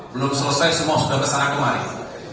belum selesai semua sudah kesana kemarin